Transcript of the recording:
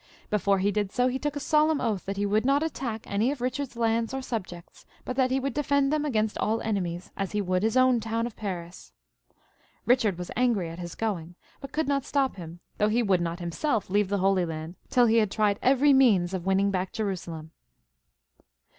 Before he did so he took a solemn oath that he would not attack any of Eichard's lands or subjects, but that he would de fend them against all enemies as he would his own town of Paris. Bichard was angry at his going, but could not stop him, though he would not himself leave the Holy Land till he had tried every means of winning back Jerusalem.